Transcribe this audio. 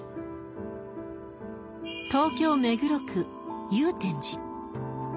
東京・目黒区祐天寺。